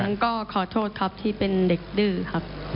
นั้นก็ขอโทษครับที่เป็นเด็กดื้อครับ